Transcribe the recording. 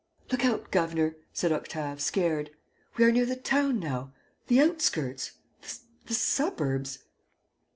"Look out, governor," said Octave, scared, "we are near the town now. ... the outskirts ... the suburbs.